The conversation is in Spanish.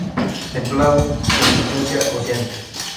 Templado, con influencia oceánica.